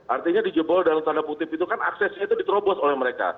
artinya di jebol dan tanda putih itu kan aksesnya itu diterobos oleh mereka